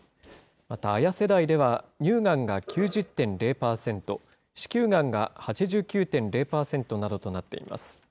また、ＡＹＡ世代では乳がんが９０．０％、子宮がんが８９．０％などとなっています。